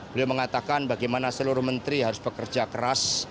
beliau mengatakan bagaimana seluruh menteri harus bekerja keras